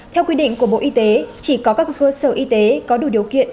theo quy định của bộ y tế chỉ có các cơ sở y tế có đủ điều kiện